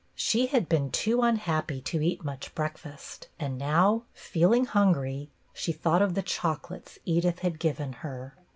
She had been too unhappy to eat much breakfast, and now, feeling hungry, she thought of the chocolates Edith had given her.